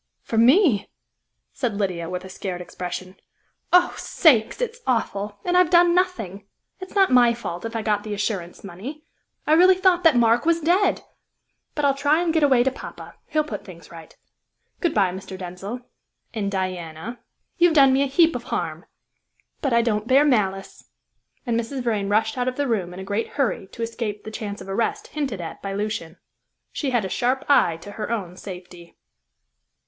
"For me?" said Lydia, with a scared expression. "Oh, sakes! it's awful! and I've done nothing. It's not my fault if I got the assurance money. I really thought that Mark was dead. But I'll try and get away to poppa; he'll put things right. Good bye, Mr. Denzil, and Diana; you've done me a heap of harm, but I don't bear malice," and Mrs. Vrain rushed out of the room in a great hurry to escape the chance of arrest hinted at by Lucian. She had a sharp eye to her own safety.